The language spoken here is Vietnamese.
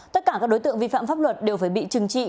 tất cả các đối tượng vi phạm pháp luật đều phải bị trừng trị